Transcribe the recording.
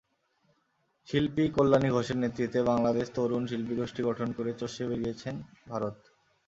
শিল্পী কল্যাণী ঘোষের নেতৃত্বে বাংলাদেশ তরুণ শিল্পীগোষ্ঠী গঠন করে চষে বেড়িয়েছেন ভারত।